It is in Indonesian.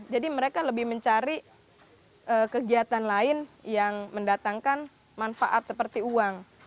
jadi mereka lebih mencari kegiatan lain yang mendatangkan manfaat seperti uang